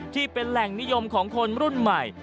ที่เป็นแหล่งนิยมของคนรุ่นใหม่